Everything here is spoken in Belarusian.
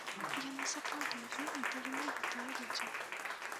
Яны сапраўды вельмі таленавітыя людзі.